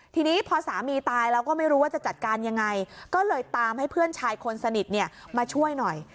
ทีนี้พอสามีตายแล้วก็ไม่รู้ว่าจะจัดการยังไงก็เลยตามให้เพื่อนชายคนสนิทมาช่วยหน่อย